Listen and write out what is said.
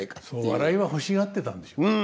そう笑いは欲しがってたんでしょう。